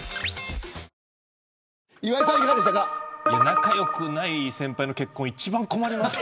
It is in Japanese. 仲良くない先輩の結婚一番、困ります。